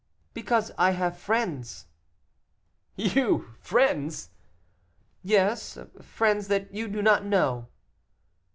"Because I have friends." "You! friends!" "Yes, friends that you do not know."